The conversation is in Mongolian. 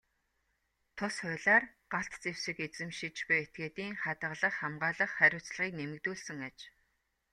Тус хуулиар галт зэвсэг эзэмшиж буй этгээдийн хадгалах, хамгаалах хариуцлагыг нэмэгдүүлсэн аж.